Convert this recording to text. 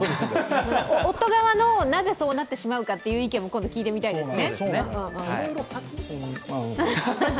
夫側のなぜそうなってしまうかという意見も今度、聞いてみたいですね。